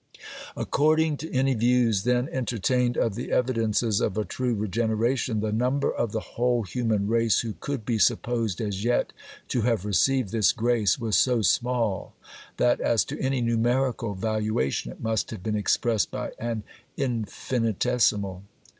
According to any views then entertained of the evidences of a true regeneration, the number of the whole human race who could be supposed as yet to have received this grace was so small, that, as to any numerical valuation, it must have been expressed by an infinitesimal.